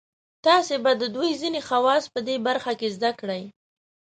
تاسې به د دوی ځینې خواص په دې برخه کې زده کړئ.